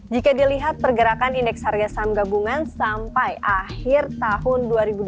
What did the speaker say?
jika dilihat pergerakan indeks harga saham gabungan sampai akhir tahun dua ribu dua puluh